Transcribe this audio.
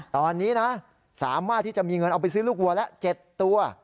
ตอนนี้นะสามารถที่จะมีเงินเอาไปซื้อลูกวัวละ๗ตัว